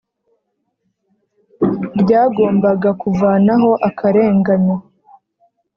ryagombaga kuvanaho akarenganyo